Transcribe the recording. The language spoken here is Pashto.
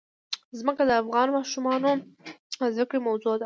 ځمکه د افغان ماشومانو د زده کړې موضوع ده.